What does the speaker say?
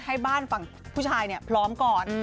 ให้บ้านเหล่านี้พร้อมก่อน